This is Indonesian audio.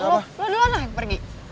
lo duluan lah yang pergi